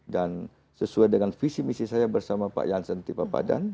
dan sesuai dengan visi misi saya bersama pak jansen tipa padan